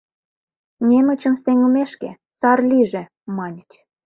«Немычым сеҥымешке, сар лийже», — маньыч.